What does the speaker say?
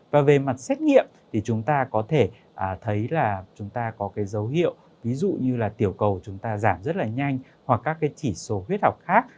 và về mặt xét nghiệm thì chúng ta có thể thấy là chúng ta có cái dấu hiệu ví dụ như là tiểu cầu chúng ta giảm rất là nhanh hoặc các cái chỉ số huyết học khác